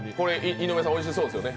井上さんおいしそうですよね？